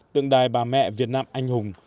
tượng đài bà mẹ việt nam anh hùng